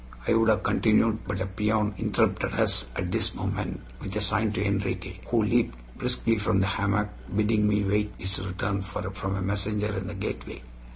I would have continued, but a peon interrupted us at this moment with a sign to Enriquez, who leaped briskly from the hammock, bidding me wait his return from a messenger in the gateway.